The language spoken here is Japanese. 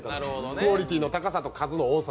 クオリティーの高さと数の多さ。